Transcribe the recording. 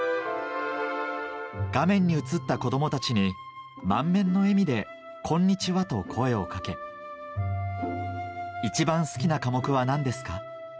画面に映った子供たちに満面の笑みで「こんにちは」と声を掛け「一番好きな科目は何ですか」